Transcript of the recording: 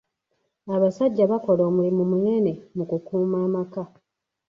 Abasajja bakola omulimu munene mu kukuuma amaka.